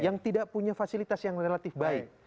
yang tidak punya fasilitas yang relatif baik